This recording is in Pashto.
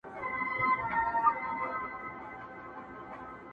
د انارکلي اوښکو ته!٫